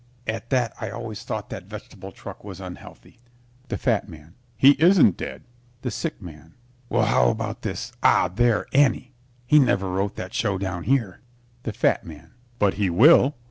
At that I always thought that vegetable truck was unhealthy. THE FAT MAN He isn't dead. THE SICK MAN Well, how about this "Ah, There, Annie!"? He never wrote that show down here. THE FAT MAN But he will.